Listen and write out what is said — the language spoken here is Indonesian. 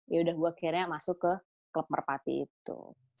yaudah gue akhirnya masuk ke klub merpati itu tuh